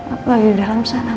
aku lagi dalam sana